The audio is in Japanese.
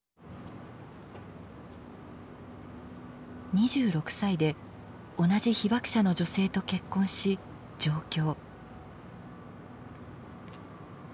２６歳で同じ被爆者の女性と結婚し上京。